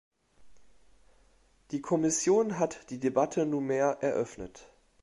Die Kommission hat die Debatte nunmehr eröffnet.